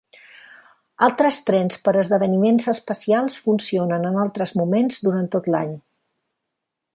Altres trens per esdeveniments especials funcionen en altres moments durant tot l'any.